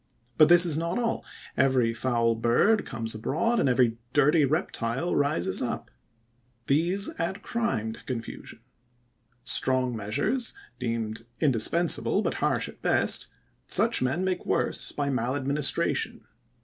But this is not all. Every foul bird comes abroad and every dirty reptile rises up. These add crime to confusion. Strong measures deemed indispensable, but harsh at best, such men make worse by maladministration.